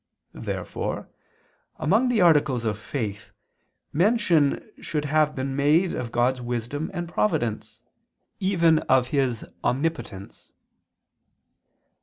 Therefore, among the articles of faith, mention should have been made of God's wisdom and providence, even as of His omnipotence.